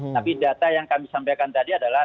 tapi data yang kami sampaikan tadi adalah